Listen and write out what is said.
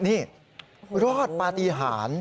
นี่รอดปฏิหาร